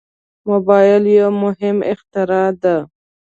موبایل یو مهم اختراع ده.